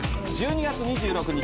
１２月２６日